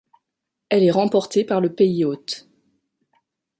Elle est remportée par le pays-hôte.